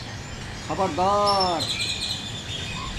خبَردار